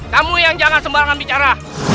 kamu yang jangan sembarangan bicara